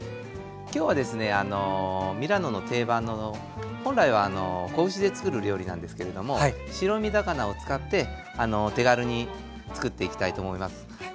今日はですねミラノの定番の本来は仔牛でつくる料理なんですけれども白身魚を使ってお手軽につくっていきたいと思います。